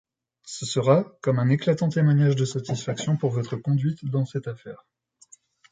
Ce sera comme un éclatant témoignage de satisfaction pour votre conduite dans cette affaire.